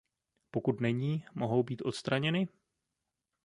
Pokud není, mohou být odstraněny?